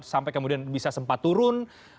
sampai kemudian bisa sempat turun